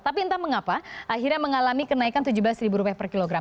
tapi entah mengapa akhirnya mengalami kenaikan rp tujuh belas per kilogram